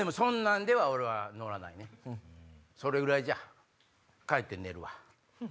それぐらいじゃ帰って寝るわ。